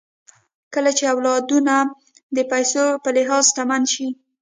کله چې اولادونه د پيسو په لحاظ شتمن سي